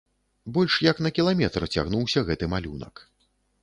Больш як на кіламетр цягнуўся гэты малюнак.